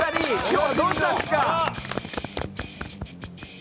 今日はどうしたんですか？